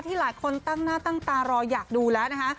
หลายคนตั้งหน้าตั้งตารออยากดูแล้วนะคะ